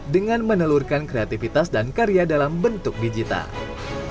dengan menelurkan kreativitas dan karya dalam bentuk digital